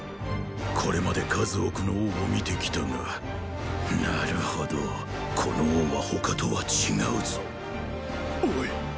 これまで数多くの王を見てきたがなるほどこの王は他とは違うぞおい。